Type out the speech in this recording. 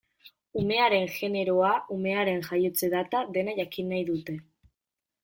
Umearen generoa, umearen jaiotze data, dena jakin nahi dute.